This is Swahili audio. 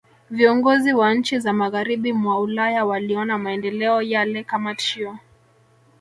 Viongozi wa nchi za Magharibi mwa Ulaya waliona maendeleo yale kama tishio